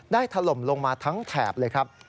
ถล่มลงมาทั้งแถบเลยครับ